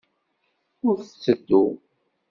Ur tteddu!